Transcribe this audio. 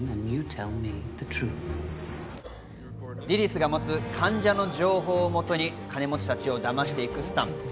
リリスが持つ患者の情報をもとに金持ちたちをだましていくスタン。